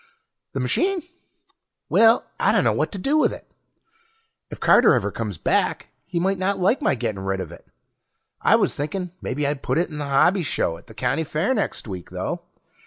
The machine? Well, I dunno what to do with it. If Carter ever comes back he might not like my getting rid of it. I was thinking mebbe I'd put it in the hobby show at the county fair next week, though.